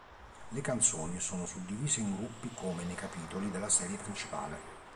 Le canzoni sono suddivise in gruppi come nei capitoli della serie principale.